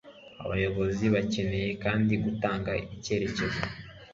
abayobozi bakeneye kandi gutanga icyerekezo